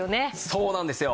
そうなんですよ。